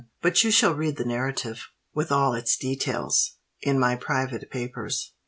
But you shall read the narrative, with all its details, in my private papers."